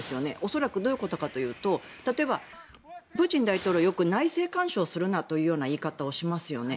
恐らくどういうことかというと例えばプーチン大統領はよく内政干渉するなという言い方をしますよね。